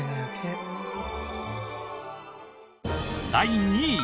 第２位。